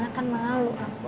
gak akan malu aku